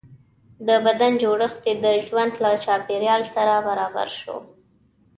د بدن جوړښت یې د ژوند له چاپېریال سره برابر شو.